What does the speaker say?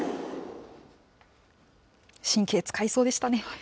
神経使いそうでしたね。